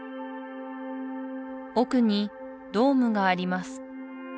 奥にドームがあります